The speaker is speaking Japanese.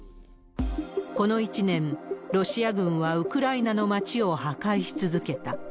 この１年、ロシア軍はウクライナの町を破壊し続けた。